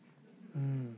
うん。